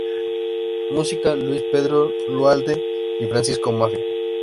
Música: Luis Pedro Duhalde y Francisco Maffia.